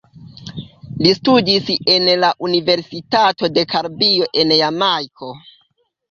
Li studis en la Universitato de Karibio en Jamajko.